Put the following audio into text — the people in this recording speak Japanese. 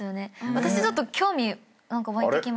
私ちょっと興味湧いてきました。